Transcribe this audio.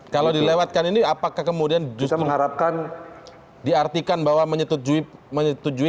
kalau dilewatkan ini apakah kemudian justru diartikan bahwa menyetujui dari pertanyaan pertanyaan